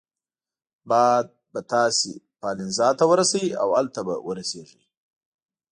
باد به تاسي پالنزا ته ورسوي او هلته به ورسیږئ.